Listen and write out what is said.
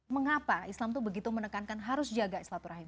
mengapa islam itu begitu menekankan harus jaga silaturahim